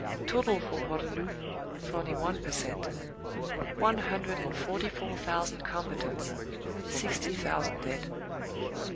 Total for Waterloo, forty one per cent; one hundred and forty four thousand combatants; sixty thousand dead.